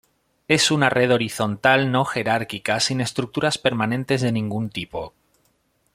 Es una red horizontal, no jerárquica, sin estructuras permanentes de ningún tipo.